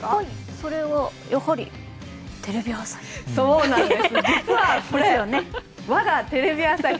それはやはり、テレビ朝日？